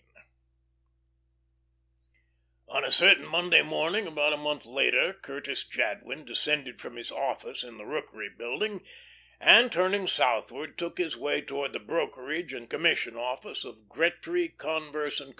III On a certain Monday morning, about a month later, Curtis Jadwin descended from his office in the Rookery Building, and turning southward, took his way toward the brokerage and commission office of Gretry, Converse and Co.